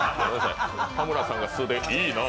田村さんが素で「いいなぁ」